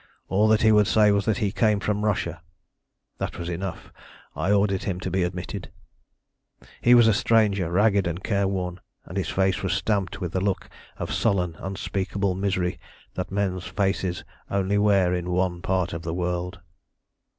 All that he would say was that he came from Russia. That was enough. I ordered him to be admitted. "He was a stranger, ragged and careworn, and his face was stamped with the look of sullen, unspeakable misery that men's faces only wear in one part of the world.